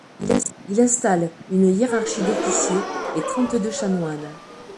Il installe une hiérarchie d'officiers et trente-deux chanoines.